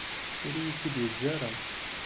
Ur iyi-tt-id-yeǧǧa ara.